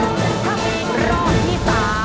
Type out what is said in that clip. ถ้าเป็นอีกรอบที่๓